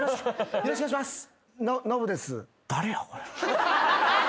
よろしくお願いします。